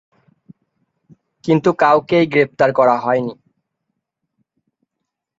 কিন্তু কাউকেই গ্রেফতার করা হয়নি।